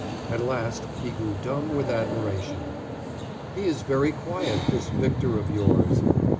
At last he grew dumb with admiration. "He is very quiet, this Victor of yours."